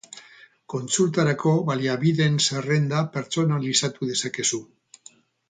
Kontsultarako baliabideen zerrenda pertsonalizatu dezakezu.